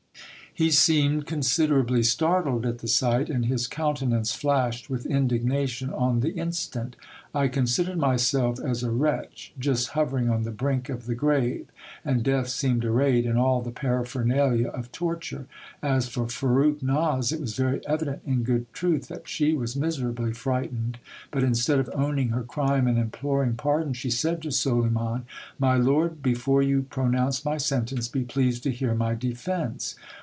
He seemed considerably startled at the sight ; and his countenance flashed with indignation on the instant. I considered myself as a wretch just hovering on the brink of the grave ; and death seemed arrayed in all the paraphernalia of torture. As for Farrukhnaz, it was very evident, in good truth, that she was miserably frightened ; but instead of owning her crime and imploring pardon, she said to Soliman : My lord, before you pronounce my sentence, be pleased to hear my defence.